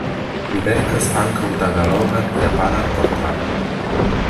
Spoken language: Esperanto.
Li verkas ankaŭ tagalogan-japanan vortaron.